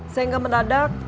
saya gak menadak